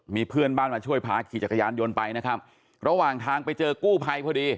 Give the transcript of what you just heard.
มีเพื่อนบ้านมาช่วยพาขี่จักรยานยนต์ไปนะครับระหว่างทางไปเจอกู้ภัยพอดี